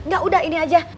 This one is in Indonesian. gak usah ini aja